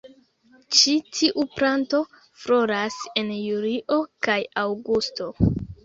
Ĉi tiu planto floras en julio kaj aŭgusto.